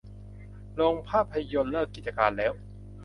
โรงภาพยนตร์เลิกกิจการแล้ว